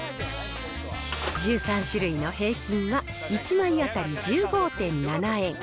１３種類の平均は、１枚当たり１５．７円。